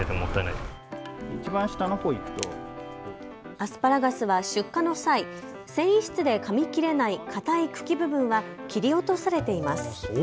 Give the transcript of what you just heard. アスパラガスは出荷の際、繊維質でかみ切れないかたい茎部分は切り落とされています。